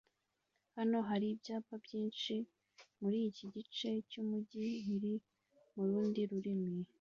Hano hari ibyapa byinshi muriki gice cyumujyi biri murundi rurimi